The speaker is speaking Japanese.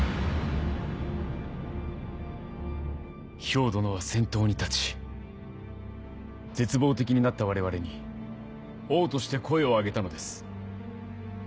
漂殿は先頭に立ち絶望的になった我々に王として声を上げたのです。